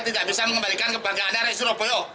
tidak bisa mengembalikan kebanggaannya dari surabaya